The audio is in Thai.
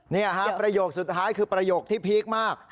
นี่ครับประโยคสุดท้ายคือประโยคที่พีคมาก